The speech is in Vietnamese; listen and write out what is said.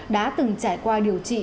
đã từng trải qua điều trị